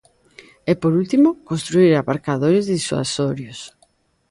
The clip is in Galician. E por último, construír aparcadoiros disuasorios.